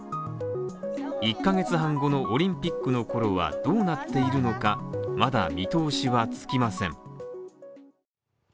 １ヶ月半後のオリンピックの頃はどうなっているのか、まだ見通しはつきません。